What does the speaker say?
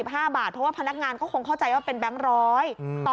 เพราะว่าพนักงานก็คงเข้าใจว่าเป็นแบงค์ร้อยต่อ